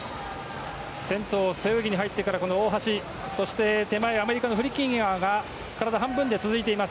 先頭、背泳ぎに入ってから大橋そして、手前はアメリカのフリッキンガーが体半分で続いています。